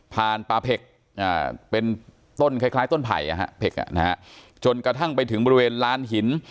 ผ่านประเภกเป็นต้นคล้ายต้นไผ่แบบนั้นจนกระทั่งไปถึงบริเวณล้านหิน